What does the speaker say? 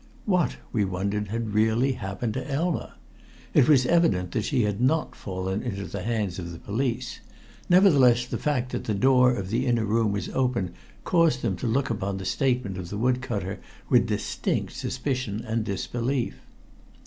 What, we wondered, had really happened to Elma? It was evident that she had not fallen into the hands of the police; nevertheless, the fact that the door of the inner room was open caused them to look upon the statement of the wood cutter with distinct suspicion and disbelief.